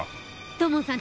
土門さん